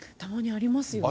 ありますよね。